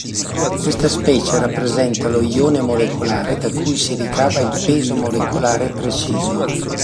Questa specie rappresenta lo ione molecolare da cui si ricava il peso molecolare preciso.